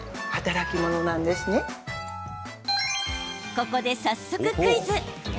ここで早速クイズ。